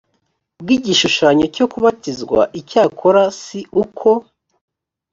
bw igishushanyo cyo kubatizwa icyakora si uko